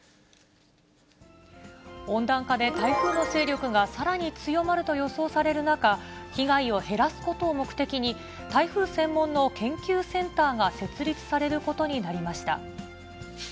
温暖化で台風の勢力がさらに強まると予想される中、被害を減らすことを目的に、台風専門の研究センターが設立されることになりました。